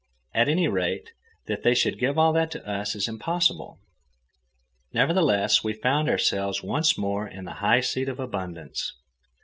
At any rate, that they should give all that to us is impossible." Nevertheless we found ourselves once more in the high seat of abundance.